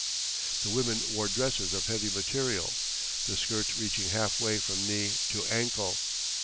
The women wore dresses of heavy material, the skirts reaching halfway from knee to ankle.